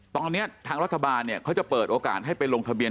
ตอนนี้ทางรัฐบาลเนี่ยเขาจะเปิดโอกาสให้ไปลงทะเบียน